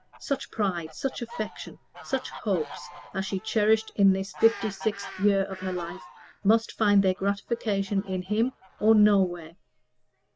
Such pride, such affection, such hopes as she cherished in this fifty sixth year of her life, must find their gratification in him or nowhere.